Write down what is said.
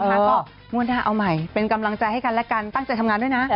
ก็งวดหน้าเอาใหม่เป็นกำลังใจให้กันและกันตั้งใจทำงานด้วยนะ